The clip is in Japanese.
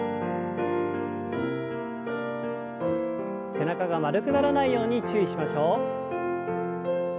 背中が丸くならないように注意しましょう。